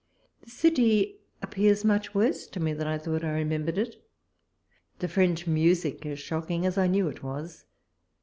The city appears much worse to me than I thought I remembered it. The French music is shocking as I knew it was.